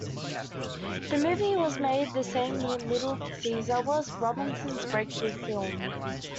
The movie was made the same year "Little Caesar" was, Robinson's breakthrough film.